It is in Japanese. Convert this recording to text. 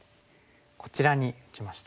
こちらに打ちました。